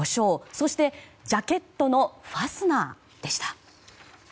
そしてジャケットのファスナーでした。